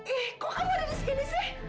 eh kok kamu ada di sini sih